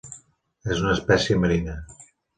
És una espècie marina.